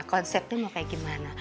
konsepnya mau kayak gimana